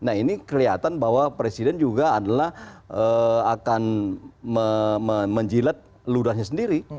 nah ini kelihatan bahwa presiden juga adalah akan menjilat ludahnya sendiri